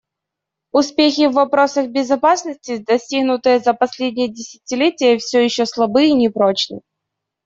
Успехи в вопросах безопасности, достигнутые за последнее десятилетие, все еще слабы и непрочны.